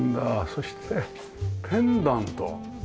そしてペンダント。